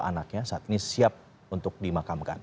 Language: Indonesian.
anaknya saat ini siap untuk dimakamkan